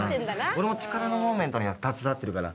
俺も力のモーメントには携わってるから。